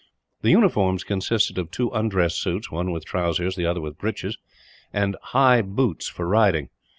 The uniforms consisted of two undress suits; one with trousers, the other with breeches and high boots, for riding.